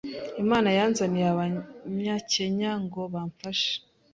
Imana yanzaniye abanyakenya ngo bamfashe